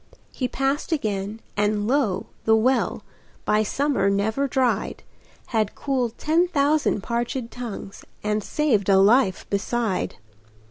He passed again; and lo! the well, By summer never dried, Had cooled ten thousand parchéd tongues, And saved a life beside.